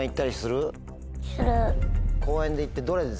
公園で行って。